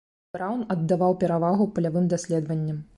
Браўн аддаваў перавагу палявым даследаванням.